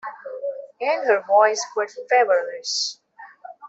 And her voice was feverish.